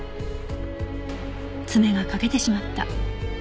爪が欠けてしまった。